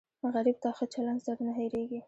غریب ته ښه چلند زر نه هېریږي